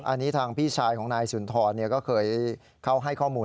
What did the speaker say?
อันนี้ทางพี่ชายของนายสุนทรก็เคยเข้าให้ข้อมูล